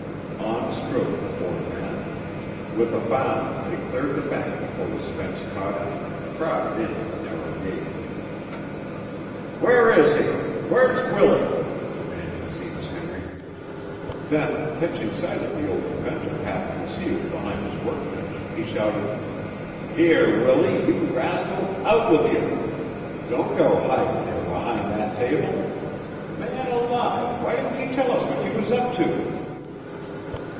On strode the four men. With a bound they cleared the bank before the Spence cottage and crowded in at the narrow gate. "Whar is he? Whar's Willie?" demanded Zenas Henry. Then, catching sight of the old inventor half concealed behind his workbench, he shouted: "Here, Willie, you rascal, out with you! Don't go hidin' there behind that table. Man alive, why didn't you tell us what you was up to?"